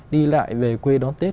đi lại về quê đón tết